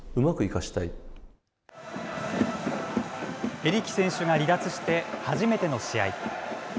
エリキ選手が離脱して初めての試合。